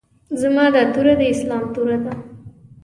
زما دا توره د اسلام توره ده.